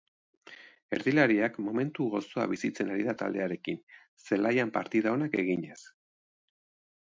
Erdilariak momentu gozoa bizitzen ari da taldearekin, zelaian partida onak eginez.